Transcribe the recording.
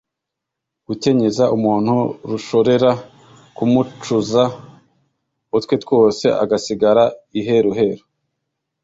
" gukenyeza umuntu rushorera = kumucuza utwe twose agasigara iheruheru.